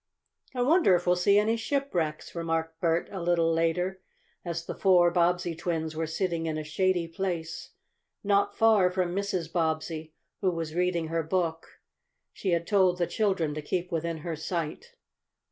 "I wonder if we'll see any shipwrecks," remarked Bert a little later, as the four Bobbsey twins were sitting in a shady place not far from Mrs. Bobbsey, who was reading her book. She had told the children to keep within her sight.